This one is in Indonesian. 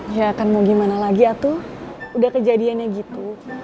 ya kan mau gimana lagi atuh udah kejadiannya gitu